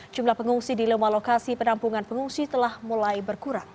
jumlah pengungsi di lima lokasi penampungan pengungsi telah mulai berkurang